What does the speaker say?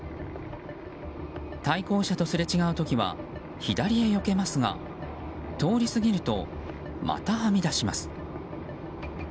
対向車とすれ違う時は左へよけますが通り過ぎると、またはみ出します。